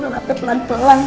menang api pelan pelan